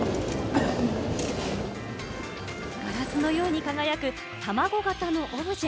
ガラスのように輝く卵型のオブジェ。